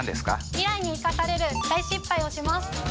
未来に生かされる大失敗をします。